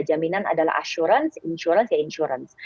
jaminan adalah asuransi insuransi adalah insuransi